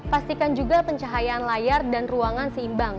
pastikan juga pencahayaan layar dan ruangan seimbang